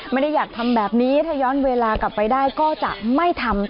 ไม่ได้อยากทำแบบนี้ถ้าย้อนเวลากลับไปได้ก็จะไม่ทำ